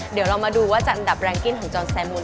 เดี๋ยวเรามาดูว่าจะอันดับแรงกิ้นของจอนแซมูล